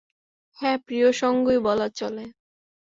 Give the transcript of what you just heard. হ্যাঁ, প্রিয় সঙ্গই বলা চলে।